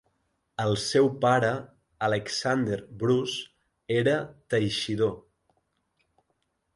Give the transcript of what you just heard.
El seu pare, Alexander Bruce, era teixidor.